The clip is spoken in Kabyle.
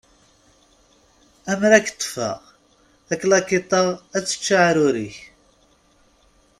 Amer ad k-ṭṭfeɣ, taklakiḍt ad d-tečč aεrur-ik!